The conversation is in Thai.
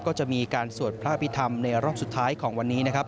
ก็จะมีการสวดพระพิธรรมในรอบสุดท้ายของวันนี้